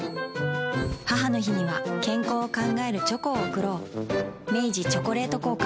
母の日には健康を考えるチョコを贈ろう明治「チョコレート効果」